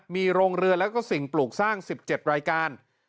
มีโรงเรือแล้วก็สิ่งปลูกสร้าง๑๗รายการ